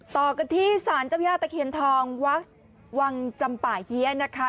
ต่อกันที่สารเจ้าย่าตะเคียนทองวัดวังจำป่าเฮียนะคะ